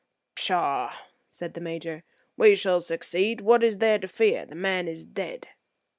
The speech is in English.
"Pshaw!" said the Major, "we shall succeed. What is there to fear? the man is dead."